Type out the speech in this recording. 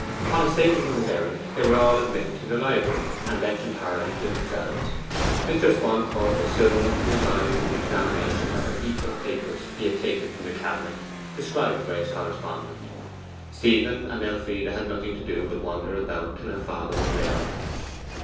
Upon a statement of his errand they were all admitted to the library, and left entirely to themselves. Mr. Swancourt was soon up to his eyes in the examination of a heap of papers he had taken from the cabinet described by his correspondent. Stephen and Elfride had nothing to do but to wander about till her father was ready.